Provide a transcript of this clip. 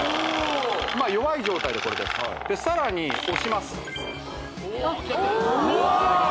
まあ弱い状態でこれですさらに押しますうわー！